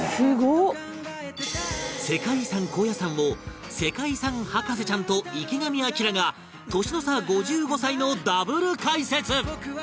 世界遺産高野山を世界遺産博士ちゃんと池上彰が年の差５５歳のダブル解説！